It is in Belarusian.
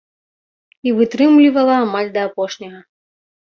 І вытрымлівала амаль да апошняга.